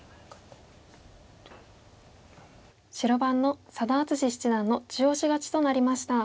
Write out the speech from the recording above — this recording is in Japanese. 白番の佐田篤史七段の中押し勝ちとなりました。